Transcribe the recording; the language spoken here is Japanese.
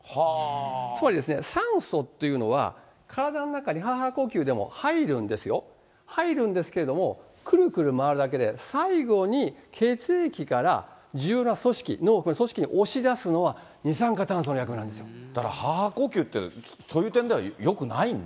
つまりですね、酸素っていうのは、体の中に、はぁはぁ呼吸でも入るんですよ、入るんですけれども、くるくる回るだけで、最後に血液から重要な組織、押し出すのは二酸化炭素の役目なんでだから、はぁはぁ呼吸って、はい。